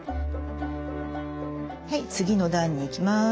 はい次の段にいきます。